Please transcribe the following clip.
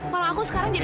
malah aku sekarang jadi